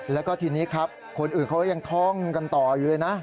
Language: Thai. แล้วก็ทีนี้ครับคนอื่นเขายังท่องกันต่ออยู่เลยนะ